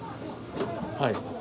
はい。